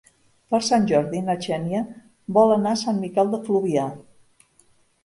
Per Sant Jordi na Xènia vol anar a Sant Miquel de Fluvià.